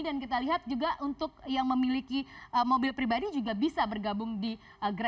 dan kita lihat juga untuk yang memiliki mobil pribadi juga bisa bergabung